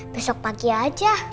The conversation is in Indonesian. besok pagi aja